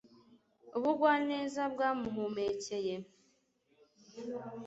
Ubugwaneza bwamuhumekeye